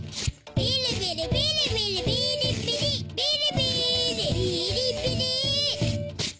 ビリビリビリビリビリ！